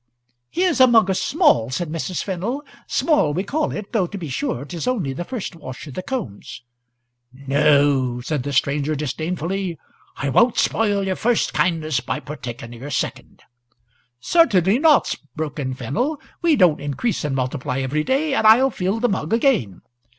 "Here's a mug o' small," said Mrs. Fennel. "Small, we call it, though, to be sure, 'tis only the first wash o' the combs." "No," said the stranger, disdainfully; "I won't spoil your first kindness by partaking o' your second. "Certainly not," broke in Fennel. "We don't increase and multiply every day, and I'll fill the mug again."